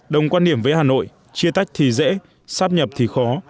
đồng quan điểm với hà nội chia tách thì dễ sắp nhập thì khó